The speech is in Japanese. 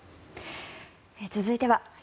続いては。